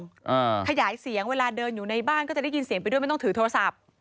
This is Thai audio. อ่าขยายเสียงเวลาเดินอยู่ในบ้านก็จะได้ยินเสียงไปด้วยไม่ต้องถือโทรศัพท์